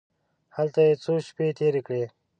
هلته یې څو شپې تېرې کړې.